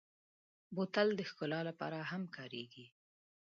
بوتل د ښکلا لپاره هم کارېږي.